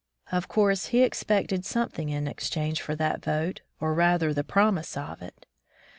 Of course, he expected some thing in exchange for that vote, or rather the promise of it.